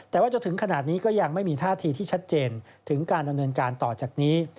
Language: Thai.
แต่ว่าจนถึงขนาดนี้ก็ยังไม่มีท่าทีที่ชัดเจนถึงการดำเนินการต่อจากนี้